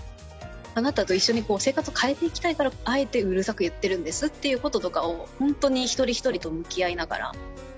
あなたと一緒に生活を変えていきたいからあえてうるさく言っているんですっていう事とかを本当に一人一人と向き合いながら。